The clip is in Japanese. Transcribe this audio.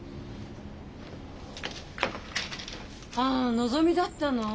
あのぞみだったの？